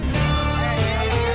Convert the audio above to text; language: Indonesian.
kelapa kelapa kelapa kelapa